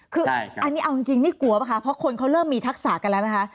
คืออันนี้เอาจริงนี่กลัวป่ะคะเพราะคนเขาเริ่มมีทักษะกันแล้วนะคะ